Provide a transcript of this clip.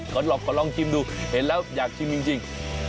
ก็ลองขอลองชิมดูเห็นแล้วอยากชิมจริง